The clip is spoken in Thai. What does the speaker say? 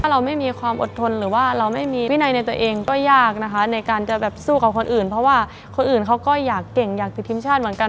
เราไม่มีความอดทนหรือว่าเราไม่มีวินัยในตัวเองก็ยากนะคะในการจะแบบสู้กับคนอื่นเพราะว่าคนอื่นเขาก็อยากเก่งอยากติดทีมชาติเหมือนกัน